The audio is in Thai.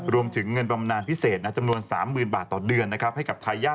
รวมถึงเงินพรรมนานพิเศษจำนวน๓๐๐๐๐บาทต่อเดือนให้กับทายย่า